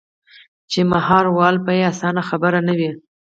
چـې مـهار ول بـه يـې اسـانه خبـره نـه وي.